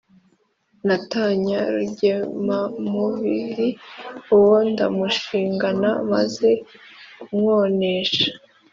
natanya rugemamubili uwo ndamuhingana maze kumwonesha,